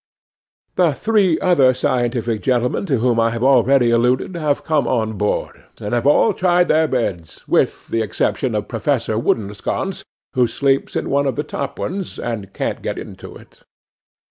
'The three other scientific gentlemen to whom I have already alluded have come on board, and have all tried their beds, with the exception of Professor Woodensconce, who sleeps in one of the top ones, and can't get into it.